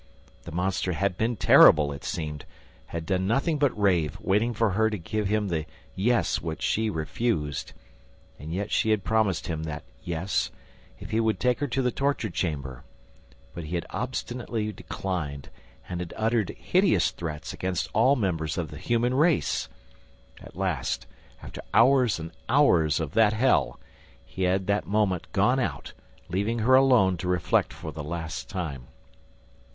The monster had been terrible, it seemed, had done nothing but rave, waiting for her to give him the "yes" which she refused. And yet she had promised him that "yes," if he would take her to the torture chamber. But he had obstinately declined, and had uttered hideous threats against all the members of the human race! At last, after hours and hours of that hell, he had that moment gone out, leaving her alone to reflect for the last time.